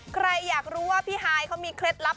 ใครอยากรู้ว่าพี่ฮายเขามีเคล็ดลับ